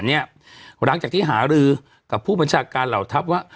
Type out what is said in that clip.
หลังจากที่หารือกับผู้บัญชาการเหล่าทัพว่า